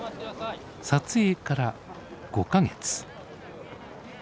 撮影から５か月。